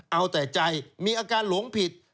เอาแต่ใจมีอาการหลงผิด